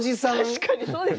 確かにそうですよね。